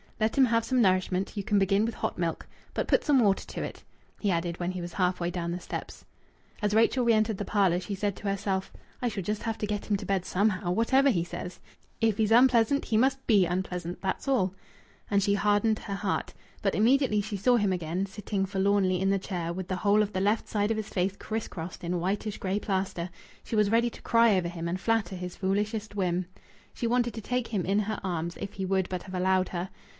"Let him have some nourishment. You can begin with hot milk but put some water to it," he added when he was half way down the steps. As Rachel re entered the parlour she said to herself: "I shall just have to get him to bed somehow, whatever he says! If he's unpleasant he must be unpleasant, that's all." And she hardened her heart. But immediately she saw him again, sitting forlornly in the chair, with the whole of the left side of his face criss crossed in whitish grey plaster, she was ready to cry over him and flatter his foolishest whim. She wanted to take him in her arms, if he would but have allowed her.